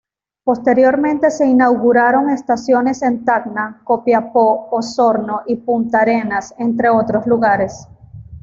Posteriormente se inauguraron estaciones en Tacna, Copiapó, Osorno y Punta Arenas, entre otros lugares.